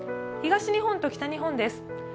東日本と北日本です。